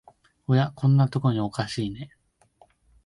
おや、こんなとこにおかしいね